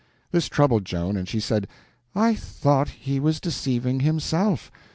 This troubled Joan, and she said: "I thought he was deceiving himself.